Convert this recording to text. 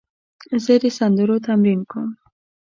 زه د سندرو تمرین کوم.